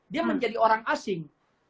dia menjadi orang asing